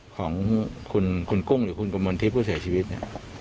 ของคุณกุ้งหรือชุดกะมนทิพย์ที่เสียชีวิตเนี่ย